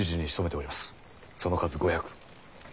その数５００。